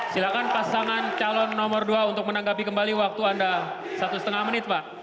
silakan pasangan calon nomor dua untuk menanggapi kembali waktu anda satu setengah menit pak